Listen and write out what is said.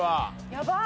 やばい！